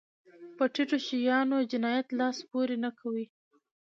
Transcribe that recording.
په ټيټو شیانو جنایت لاس پورې نه کوي.